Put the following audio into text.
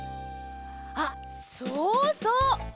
あっそうそう。